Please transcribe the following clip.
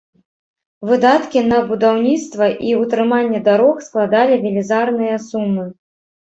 Выдаткі на будаўніцтва і ўтрыманне дарог складалі велізарныя сумы.